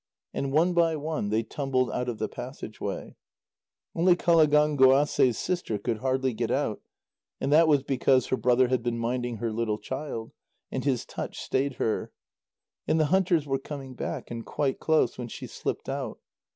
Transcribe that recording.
And one by one they tumbled out of the passage way. Only Qalagánguasê's sister could hardly get out, and that was because her brother had been minding her little child, and his touch stayed her. And the hunters were coming back, and quite close, when she slipped out.